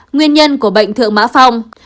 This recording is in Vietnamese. nguyên nhân của bệnh thượng mã phong